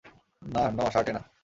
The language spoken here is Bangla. না, ন, শার্টে না!